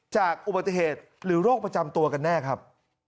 จากอุบัติเหตุหรือโรคประจำตัวกันแน่ครับ